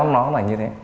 nó là như thế